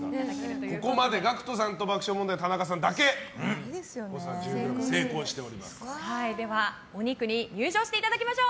ここまでＧＡＣＫＴさんと爆笑問題田中さんだけでは、お肉に入場していただきましょう。